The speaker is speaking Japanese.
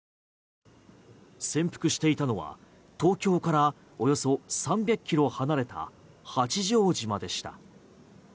潜伏していたのは東京からおよそ３００キロ離れた八丈島でした。